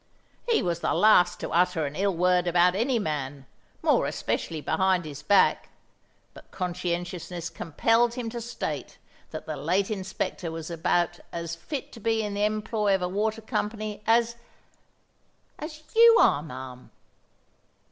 He was the last to utter an ill word about any man, more especially behind his back, but conscientiousness compelled him to state that the late inspector was about as fit to be in the employ of a water company as—"as you are, ma'am."